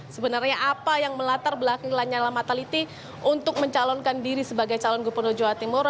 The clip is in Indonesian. sebenarnya apa yang melatar belakang lanyala mataliti untuk mencalonkan diri sebagai calon gubernur jawa timur